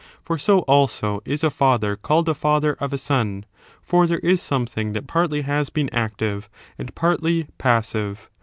• For so, also, is a father called a father of a son ; for there is something that partly has been active and partly passive.